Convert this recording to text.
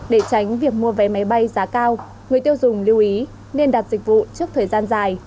để tránh việc mua vé máy bay giá cao người tiêu dùng lưu ý nên đặt dịch vụ trước thời gian dài